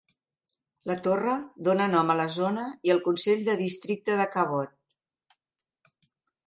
La torre dona nom a la zona i al Consell de districte de Cabot.